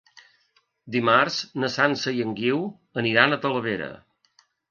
Dimarts na Sança i en Guiu aniran a Talavera.